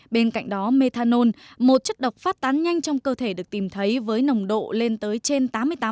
bên cạnh đó methanol một chất độc phát tán nhanh trong cơ thể được tìm thấy với nồng độ lên tới trên tám mươi tám